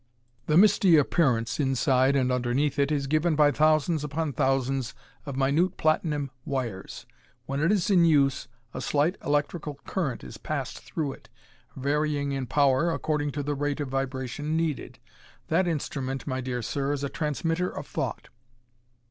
"The misty appearance inside and underneath it is given by thousands upon thousands of minute platinum wires. When it is in use a slight electrical current is passed through it, varying in power according to the rate of vibration needed. That instrument, my dear sir, is a transmitter of thought.